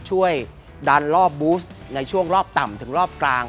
ช่วยดันรอบบูสในช่วงรอบต่ำถึงรอบกลาง